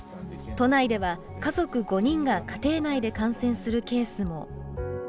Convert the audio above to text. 都内では家族５人が家庭内で感染するケースも。